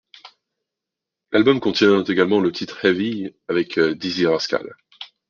L'album contient également le titre Heavy, avec Dizzee Rascal.